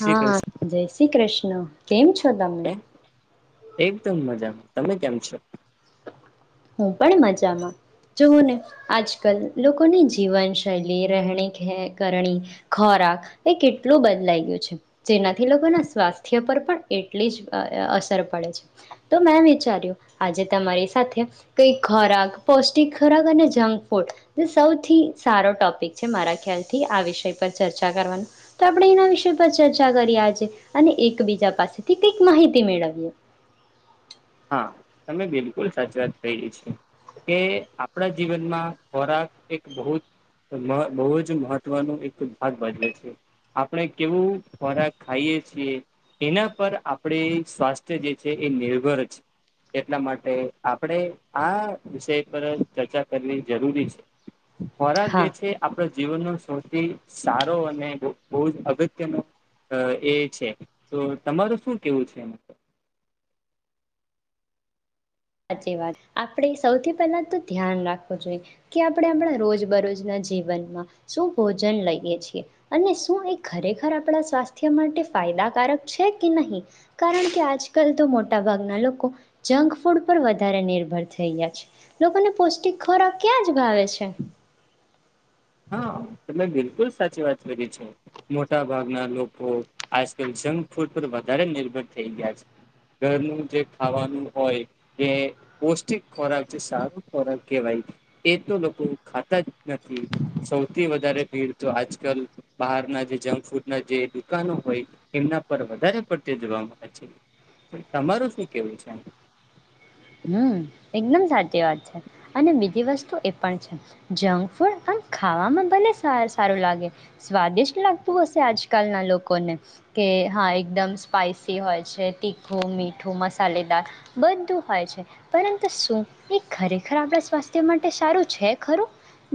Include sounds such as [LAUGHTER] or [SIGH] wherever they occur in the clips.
શ્રી હા કૃષ્ણ જય શ્રી કૃષ્ણ કેમ છો તમે? એકદમ મજામાં તમે કેમ છો. હું પણ મજામાં. જોઓ ને આજ આ કલ લોકોની જીવનશૈલી રહેણી ખે કરણી ખોરાક એ કેટલું બદલાય ગયું છે જેનાથી લોકોના સ્વાસ્થ્ય પર પણ એટલી જ અ અસર પડે છે તો મેં વિચાર્યું આજે તમારી સાથે કઈક ખોરાક પૌષ્ટિક ખોરાક અને જંક ફૂડ જે સૌથી સારો ટોપિક છે મારા ખ્યાલથી આ વિષય પર ચર્ચા કરવાનો તો આપણે એના વિષય પર ચર્ચા કરીએ આજે અને એકબીજા પાસેથી કઈક માહિતી મેળવીએ. હા તમે બિલકુલ સાચી વાત કઈ છે કે આપણા જીવનમાં ખોરાક એક બહુ બહુ જ મહત્વનો એક ભાગ ભજવે છે આપણે કેવું ખોરાક ખાઈએ છીએ એના પર આપણે સ્વાસ્થ્ય જે છે એ નિર્ભર એટલા માટે આપણેે આ વિષય પર ચર્ચા કરવી જરૂરી છે. ખોરાક જે હા છે આપડે જીવનનો સૌથી સારો અને બહુ જ અગત્યનો અ એ છે તો તમાર શું કેવું છે. સાચી વાત આપણેે સૌથી પહેલા તો ધ્યાન રાખવું જોઈએ કે આપણે આપણા રોજ બરોજ ના જીવનમાં શું ભોજન લઈએ છીએ અને શું એ ખરેખર આપણા સ્વાસ્થ્ય માટે ફાયદાકારક છે કે નહી કારણ કે આજ કલ તો મોટા ભાગના લોકો જંક ફૂડ પર વધારે નિર્ભર થઈ છે. લોકોને પૌષ્ટિક ખોરાક ક્યાં જ ભાવે છે. હા તમે બિલકુલ સાચી વાત કરી છે. મોટા ભાગના લોકો આજકલ જંક ફૂડ પર વધારે નિર્ભર થઈ ગયા છે. ઘરનું જે ખાવાનું હોય એ પૌષ્ટિક ખોરાક જે સારું ખોરાક કહેવાય એ તો લોકો ખાતા જ નથી. સૌથી વધારે ભીડ તો આજકલ બહારના જે જંક ફૂડ ના જે દુકાનો હોય એમના પર વધારે પડતી જોવા મળે છે. તમાર શું કેવું છે? હમ એકદમ સાચી વાત છે અને બીજી વસ્તુ એ પણ છે જંક ફૂડ આ ખાવામાં ભલે સારું લાગે સ્વાદિષ્ટ લાગતું હશે આજ કલના લોકોને કે હા એકદમ સ્પાઈસી હોય છે તીખું મીઠું મસાલેદાર બધું હોય છે. પરંતુ શું એ ખરેખર આપણા સ્વાસ્થ્ય માટે સારું છે ખરું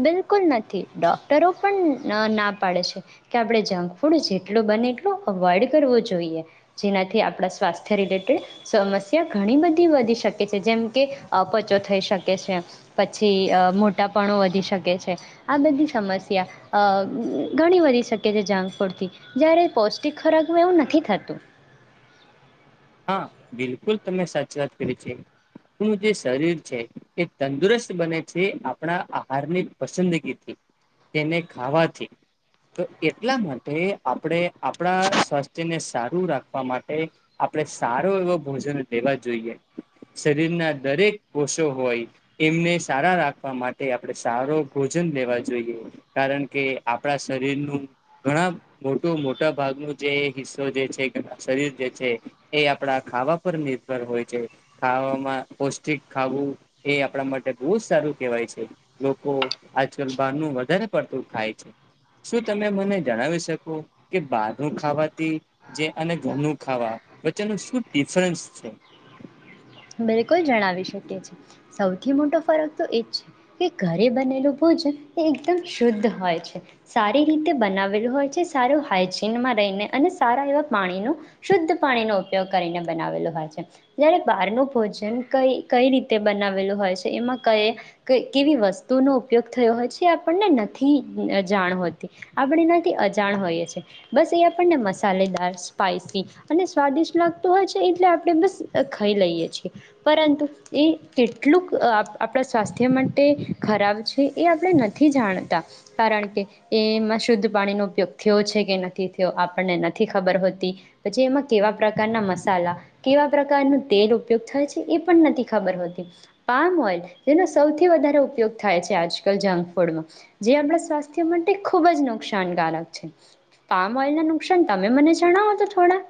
બિલકુલ નથી ડૉક્ટરો પણ ના પાડે છે કે આપણે જંક ફૂડ જેટલું બને એટલું અવોઈડ કરવો જોઈએ. જેનાથી આપણા સ્વાસ્થ્ય રિલેટેડ સમસ્યા ઘણી બધી વધી શકે. છે જેમ કે અપચો થઈ શકે છે. પછી મોટાપણો વધી શકે છે આ બધી સમસ્યા અ ઘણી વધી શકે છે જંક ફૂડથી જ્યારે પૌષ્ટિક ખોરાક એવું નથી થતું. હા બિલકુલ તમે સાચી વાત કરી છે. આપણું જે શરીર છે એ તંદુરસ્ત બને છે આપણા આહારની પસંદગીથી, તેને ખાવાથી. તો એટલા માટે આપણે આપણા સ્વાસ્થ્યને સારું રાખવા માટે આપણે સારો એવો ભોજન લેવા જોઈએ. શરીરના દરેક કોષો હોય એમને સારા રાખવા માટે આપણે સારો ભોજન લેવા જોઈએ, કારણ કે આપણા શરીરનું ઘણા મોટું મોટા ભાગનો જે હિસ્સો જે છે શરીર જે છે એ આપણા ખાવા પર નિર્ભર હોય છે. ખાવામાં પૌષ્ટિક ખાવું એ આપણા માટે બહુ જ સારું કહેવાય છે. લોકો આજકાલ બહારનું વધારે પડતું ખાય છે, શું તમે મને જણાવી શકો કે બહારનું ખાવાથી જે અને ઘરનું ખાવા વચ્ચેનું શું ડિફરન્સ છે? બિલકુલ જણાવી શકીશ. સૌથી મોટો ફરક તો એ જ છે કે ઘરે બનેલું ભોજન એ એકદમ શુદ્ધ હોય છે, સારી રીતે બનાવેલું હોય છે, સારું હાઈજીનમાં રહીને અને સારા એવા પાણીનો શુદ્ધ પાણીનો ઉપયોગ કરીને બનાવેલું હોય છે. જયારે બહારનું ભોજન કંઈ-કંઈ રીતે બનાવેલું હોય છે, એમાં કયે ક કેવી વસ્તુનો ઉપયોગ થયો હોય છે એ આપણને નથી અજાણ હોતી, આપણે એનાથી થી અજાણ હોઈએ છીએ. બસ એ આપણને મસાલેદાર, સ્પાઈસી અને સ્વાદિષ્ટ લાગતું હોય છે એટલે આપણે બસ ખાઈ લઈએ છીએ. પરંતુ એ કેટલુંક અહ આપણા સ્વાસ્થ્ય માટે ખરાબ છે એ આપણે નથી જાણતા કારણ કે એમાં શુદ્ધ પાણીનો ઉપયોગ થયો છે કે નથી થયો આપણને નથી ખબર હોતી, પછી એમાં કેવા પ્રકારના મસાલા, કેવા પ્રકારનું તેલ ઉપયોગ થાય છે એ પણ નથી ખબર હોતી. પામ ઓઇલ જેનો સૌથી વધારે ઉપયોગ થાય છે આજકાલ જંક ફૂડમાં. જે આપણા સ્વાસ્થ્ય માટે ખુબ જ નુકસાનકારક છે. પામ ઓઇલ ના નુકસાન તમે મને જણાવો તો થોડા.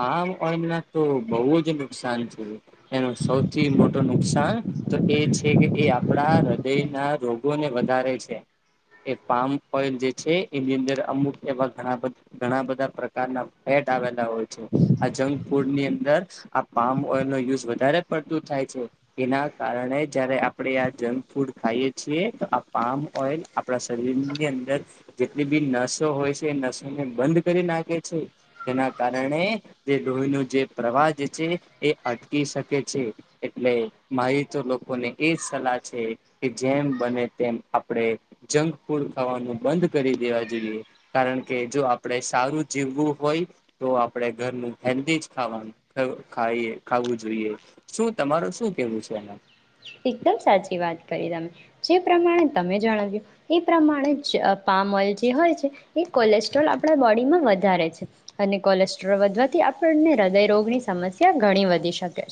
પામ ઓઈલના તો બહુ જ નુકસાન છે. એનું સૌથી મોટું નુકસાન તો એ છે કે એ આપણા હૃદય ના રોગોને વધારે છે. એ પામ ઓઈલ જે છે એની અંદર અમુક એવા ઘણા બ ઘણા બધા પ્રકારના ફેટ આવેલા હોય. આ જંક ફૂડ ની અંદ ર આ પામ ઓઈલ નો યુઝ વધારે પડતું થાય છે. એના કારણે જયારે આપણે આ જંક ફૂડ ખાઈએ છીએ તો આ પામ ઓઇલ આપણા શરીરની અંદર જેટલી બી નસો હોય છે એ નસોને બંધ કરી નાખે છે, જેના કારણે રણે જે લોહી નો જે પ્રવાહ છે એ અટકી શકે છે, એટલે મારી તો લોકોને એ જ સલાહ છે કે જેમ બને તેમ આપણે જંક ફૂડ ખાવાનું બંધ કરી દેવા જોઈએ કારણ કે જો આપણે સારું જીવવું હોય તો આપણે ઘરનું હેલ્ધી જ ખાવાનું ખવુ ખાઈએ ખાવું જોઈએ. શું તમારું શું કેવું છે એમાં? એકદમ સાચી વાત કરી તમે. જે પ્રમાણે તમે જણાવ્યું એ પ્રમાણે જ અહ પામ ઓઇલ જે હોય છે એ કોલેસ્ટ્રોલ આપણા બોડીમાં વધારે છે અને કોલેસ્ટ્રોલ વધવાથી આપણને હૃદયરોગની સમસ્યા ઘણી વધી શકે.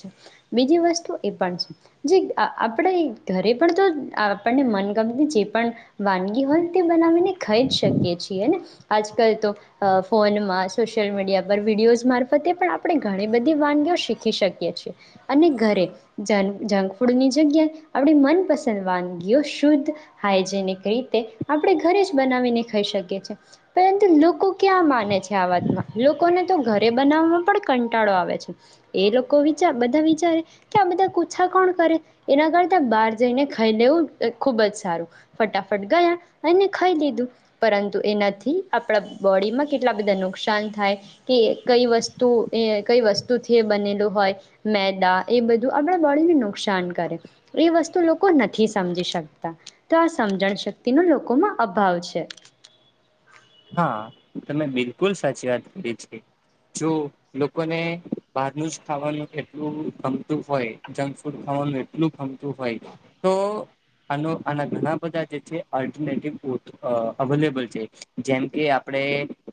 બીજી વસ્તુ એ પણ છે જે અહ આપણે ઘરે પણ તો આપણને મનગમતી જે પણ વાનગી હોય તે બનાવીને ખાઈ જ શકીએ છીએ ને, આજકાલ તો અહ ફોનમાં, સોશિયલ મીડિયા પર વિડીયોઝ મારફતે પણ આપણે ઘણી બધી વાનગીઓ શીખી શકીએ છીએ અને ઘરે જન જંક ફુડની જગ્યાએ આપણી મનપસંદ વાનગીઓ શુદ્ધ, હાઈજેનિક રીતે આપણે ઘરે જ બનાવીને ખાઈ શકીએ છે. પરંતુ લોકો ક્યાં માને છે આ વાતમાં, લોકોને તો ઘરે બનાવવામાં પણ કંટાળો આવે છે, એ લોકો વિચાર બધા વિચારે કે આ બધા કુછા કામ ણ કરે, એના કરતા બહાર જઈને ખાઈ લેવું ખુબ જ સારું. ફટાફટ ગયા અને ખાઈ લીધું. પરંતુ એનાથી આપણા બોડીમાં કેટલા બધા નુકસાન થાય કે કઈ વસ્તુ એ કઈ વસ્તુથી એ બનેલું હોય, મેદા એ બધું આપણા બોડીને નુકશ શાન કરે, એ વસ્તુ લોકો નથી સમજી શકતા. તો આ સમજણ શક્તિ નો લોકોમાં અભાવ છે. હા તમે બી [UNINTELLIGIBLE] સાચી વાત એ છે, જો લોકોને બહારનું જ ખાવાનું એટલું ગમતું હોય જંક ફૂડ ખાવાનું એટલું ગમતું તું હોય તો. આનો આના ઘણા બધા જે છે, [UNINTELLIGIBLE] આ અવેલેબલ છે. જેમ કે આપણે.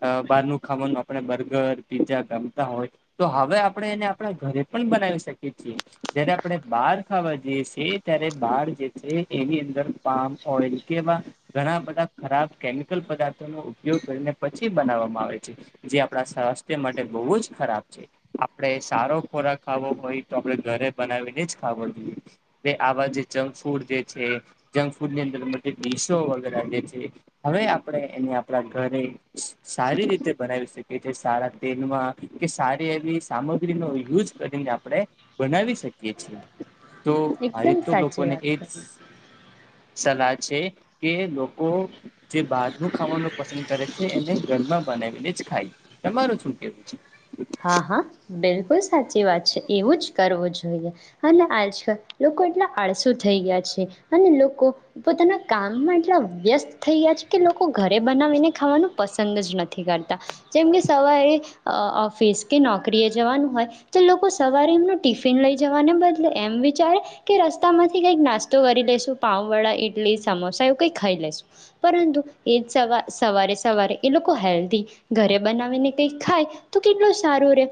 આ બહારનું ખાવાનું. આપણે બર્ગર પીઝા ગમતા હોય તો હવે આપણે એને આપણા ઘરે પણ બનાવી શકીએ છીએ, જયારે આપણે બહાર ખાવા જઈએ છીએ, યે ત્યારે બાર જે છે, એની અંદર પામ ઓઈલ કેવા ઘણા બધા ખરાબ કેમિકલ પદાર્થ ઉપયોગ કરીને પછી બનાવવામાં આવે છે, જે આપણા સ્વાસ્થ્ય માટે બહુ જ ખરાબ છે, આપણે સારો ખોરાક ખાવો હોય તો આપણે ઘરે બનાવીને જ ખાવો જોઈએ, તે આવા જે જંક ફૂડ જે છે, જંક ફૂડ ની અંદર [UNINTELLIGIBLE] વગેરે જે છે, હવે આપણે એને આપણા ઘરે સા સારી રીતે બનાવી શકીએ, છીએ સારા તેલમાં કે સારી એવી સામગ્રીના યુઝ કરીને આપણે બનાવી શકીએ છીએ. તો મારે એકદમ તો સાચી લોકોને વાત એજ કરી સલાહ છે, કે લોકો જે બાર નું ખાવાનું પસંદ કરે છે, એને ઘરમાં બનાવીને જ ખાય તમાર શું કેવું છે. હા હા બિલકુલ. સાચી વાત છે, એવું જ કરવું જોઈએ, અને આજકાલ લોકો એટલા આળસુ થઈ ગયા છે, અને લોકો પોતાના કામમાં એટલા વ્યસ્ત થઈ ગયા છે, કે લોકો ઘરે બનાવીને ખાવાનું પસંદ જ નથી કરતા, જેમકે સવારે આ આ ઓફિસ કે નોકરીએ જવાનું હોય, તો લોકો સવારે નું ટિફિન લઈ જવાને બદલે એમ વિચારે કે રસ્તામાંથી કંઈક નાસ્તો કરી લેશું પાઉવડા, ઇડલી, સમોસા એવું કંઈ ખાઈ લેશું પરંતુ એ જ સવા સવારે સવારે એ લોકો હેલ્ધી ઘરે બનાવીને કંઈક ખાય તો કેટલોું સારું રહે,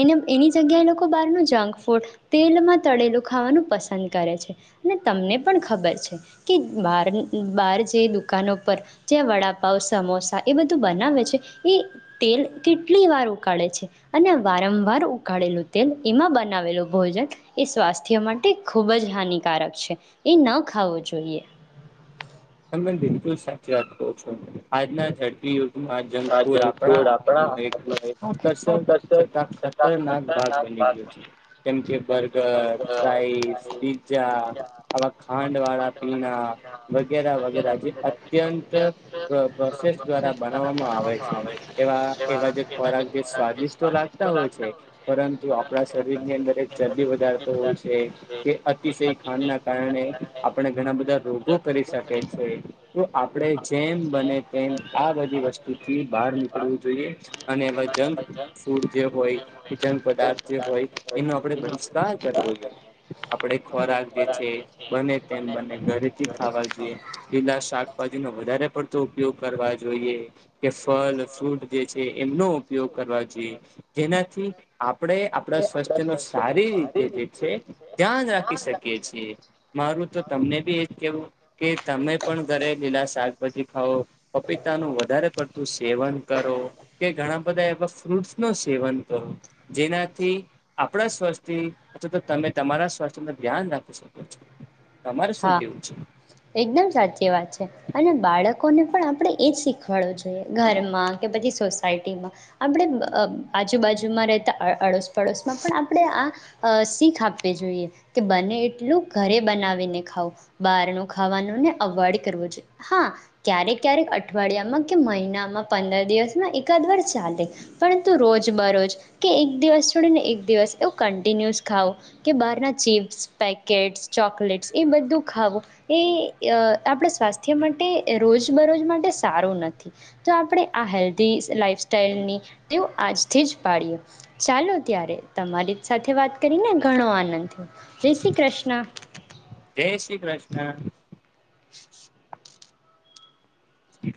એને એની જગ્યાએ લોકો બહારનું જંક ફૂડ તેલમાં તળેલું ખાવાનું પસંદ કરે છે, અને તમને પણ ખબર છે, કે બહાર નું બહાર જે દુકાનો પર જ્યાં વડાપાવ સમોસા એ બધું બનાવે છે, એ તેલ કેટલી વાર ઉકાળે છે, અને વારંવાર ઉકાળેલું તેલ એમાં બનાવેલું ભોજન એ સ્વાસ્થ્ય માટે ખૂબ જ હાનિકારક છે, એ ન ખાવું જોઈએ. તો છું, આજના ઝડપી યો આ જક ફૂડ આપણા [UNINTELLIGIBLE] કંઈક આકર્ષણ છતાં, ખતરનાક ભાગ બની ગયો છે, જેમ કે બર્ગર, પ્રાઇસ, પીઝા આવા ખાંડ વાળા પીણા વ આ વગેરે આ જે અત્યંત પ્ર પ્ર પ્રોસેસ દ્વારા બનાવ [UNINTELLIGIBLE] આવે છે, એવા એવા જે ખોરાક જે સ્વાદિષ્ટ લાગતા હોય છે, પરંતુ આપણા શરીરની અંદર જરદી વધારતો હોય છે, કે અતિશય ખાંડ ના કારણે આપણે ઘણા બધા રોગો કરી શ [UNINTELLIGIBLE] તો આપણે જેમ બને તેમ આ બધી વસ્તુ થી બહાર નીકળવું જોઈએ અને એવા જંક ફૂડ જે હોય, જંગ પદાર્થ જે હોય, એનો આપણે બહિષ્કાર કરવો જોઈએ, આપણે ખોરાક જે છે, બને તેમ બને ઘરેથી ખાવા જોઈએ. એલા શાકભાજી નો વધારે પડતો ઉપયોગ કરવા જોઈએ. કે ફલ ફ્રૂટ જે છે, એમનો ઉપયોગ કરવા જોઈએ, જેનાથી આપણે આપણા સ્વાસ્થ્ય ન સારી રીતે જે છે, ધ્યાન રાખી શકીએ છીએ મારું તો તમને બી એ જ કેવું કે તમે પણ ઘરે લીલા શાકભાજી ખાવો પપીતા નું વધારે પડતું સ સેવન કરો કે ઘણા બધા એવા ફ્રૂટસ નો સેવન કરો જેનાથી આપણા સ્વાસ્થ્ય અથવા તો તમે તમારા સ્વાસ્થ્ય ન ધ્યાન રાખી શકો છો. તમારે શું હા કેવું છે. એકદમ સાચી વાત છે, અને બાળકોને પણ આપણે એ જ શીખવાડવું જોઈએ, ઘરમાં કે પછી સોસાયટીમાં આપણે આ આજુબાજુમાં રહેતા આ અડોસ પડોશમાં પણ આપણે આ અ શીખ આપવી જોઈએ કે બને એટલું ઘરે બનાવીને ખાવું બાર નો ખાવાનુંને અવોઈડ કરવું જોઈએ, હા ક્યારેક ક્યારેક અઠવાડિયામાં કે મહિનામાં પંદર દિવસમાં એકાદ વાર ચાલે પરંતુ રોજ બરોજ કે એક દિવસ છોડીને એક દિવસ એવું કન્ટિન્યુસ ખાવું કે બહાર ના ચીપ્સ પેકેટ ચોકલેટ એ બધું ખાવું એ આ આપણા સ્વાસ્થ્ય માટે રોજબરોજ માટે સારું નથી, તો આપણે આ હેલ્ધી લાઈફ સાઈલની તેવું આજથી જ પાડીએ ચાલો ત્યારે તમારી સાથે વાત કરીને ઘણો આનંદ થયો, જય શ્રી કૃષ્ણ. જય શ્રી કૃષ્ણ. [INAUDIBLE] હ